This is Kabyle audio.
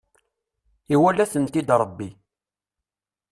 Iwala-tent-id Rebbi.